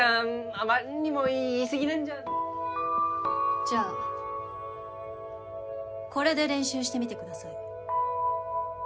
あまりにも言いすぎなんじゃじゃあこれで練習してみてください